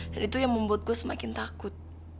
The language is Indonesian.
dan itu yang membuat gue semakin takut